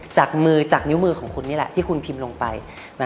จากมือจากนิ้วมือของคุณนี่แหละที่คุณพิมพ์ลงไป